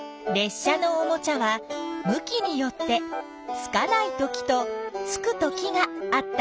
車のおもちゃは向きによってつかないときとつくときがあったね。